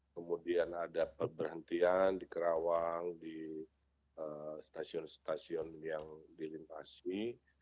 kemudian ada perberhentian di kerawang di stasiun stasiun yang dilintasi